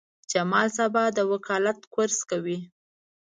جمال سبا د وکالت کورس کوي.